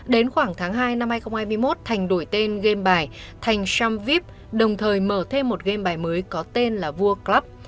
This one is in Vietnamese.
đến khoảng tháng hai năm hai nghìn hai mươi một thành đổi tên game bài thành sumvip đồng thời mở thêm một game bài mới có tên là vua club